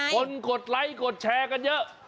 กดไลค์กดแชร์กันเยอะ